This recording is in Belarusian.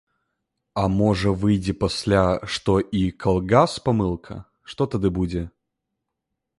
А можа выйдзе пасля, што і калгас памылка, што тады будзе?